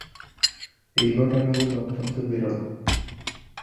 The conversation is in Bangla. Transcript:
এই ঘটনাগুলো অত্যন্ত বিরল।